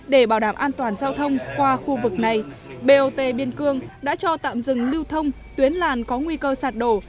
để bảo đảm an toàn giao thông qua khu vực này bot biên cương đã cho tạm dừng lưu thông tuyến làn có nguy cơ sạt đổ